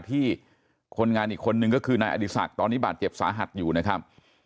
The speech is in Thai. ที่คนงานอีกคนนึงก็คือนายอดีศักดิ์ตอนนี้บาดเจ็บสาหัสอยู่นะครับ